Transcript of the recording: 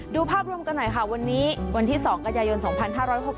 ภาพรวมกันหน่อยค่ะวันนี้วันที่๒กันยายน๒๕๖๒